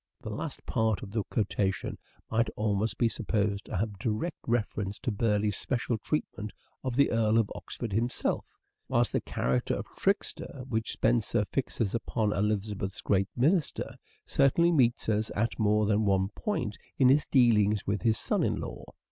The last part of the quotation might almost be supposed to have direct reference to Burleigh's special treatment of the Earl of Oxford himself; whilst the character of trickster, which Spenser fixes upon Elizabeth's great minister, certainly meets us at more than one point in his dealings with his son in law.